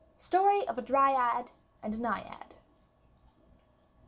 Story of a Dryad and a Naiad.